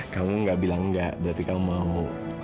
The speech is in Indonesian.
kamu gak bilang enggak berarti kamu mau